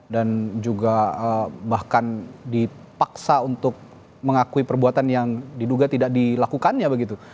dan juga bahkan dipaksa untuk mengakui perbuatan yang diduga tidak dilakukannya begitu